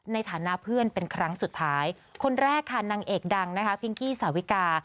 ในฐานะเพื่อนเป็นครั้งสุดท้ายคนแรกค่ะนางเอกดังนะคะพิงกี้สาวิกา